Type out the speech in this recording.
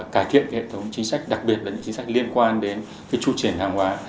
cải thiện hệ thống chính sách đặc biệt là những chính sách liên quan đến trụ truyền hàng hóa